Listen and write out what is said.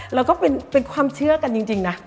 แล้วก็เป็นความเชื่อกันจริงนะ